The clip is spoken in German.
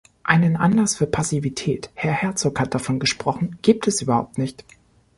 Einen Anlass für Passivität, Herr Herzog hat davon gesprochen, gibt es überhaupt nicht.